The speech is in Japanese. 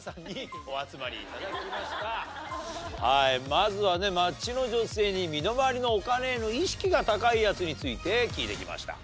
まずは街の女性に身の回りのお金への意識が高いヤツについて聞いてきました。